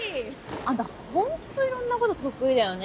あんたホントいろんなこと得意だよね